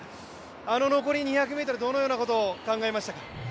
あの残り２００ｍ、どのようなことを考えましたか？